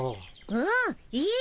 うんいい！